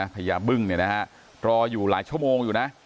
พญาบึ้งรออยู่หลายชั่วโมงอยู่นะ